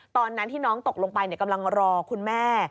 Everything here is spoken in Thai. ตอนนั้นที่น้องตกลงไปกำลังรอคุณแม่